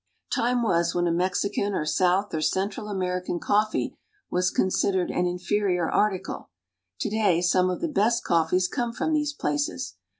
Time was when a Mexican or South or Central American coffee was considered an inferior article. To day some of the best coffees come from these places.